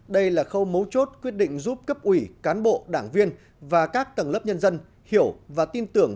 đây là khâu mấu chốt quyết định giúp cấp ủy cán bộ đảng viên và các tầng lớp nhân dân hiểu và tin tưởng